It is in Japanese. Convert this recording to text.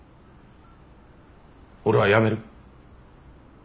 俺は辞める。